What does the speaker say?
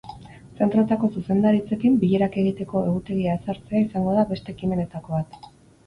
Zentroetako zuzendaritzekin bilerak egiteko egutegia ezartzea izango da beste ekimenetako bat.